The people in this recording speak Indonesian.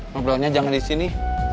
ngobrolnya jangan di sini